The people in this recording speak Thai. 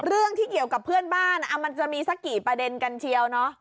เรื่องที่เกี่ยวกับเพื่อนบ้านมันจะมีสักกี่ประเด็นกันเชียวเนอะ